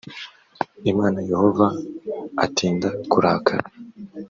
imana yehova atinda kurakara